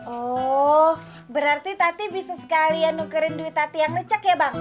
oh berarti tati bisa sekalian nukerin duit tati yang lecek ya bang